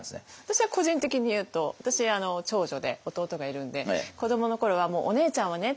私は個人的に言うと私長女で弟がいるんで子どもの頃は「お姉ちゃんはね」